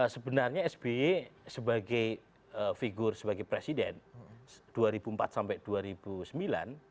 sebenarnya sby sebagai figur sebagai presiden dua ribu empat sampai dua ribu sembilan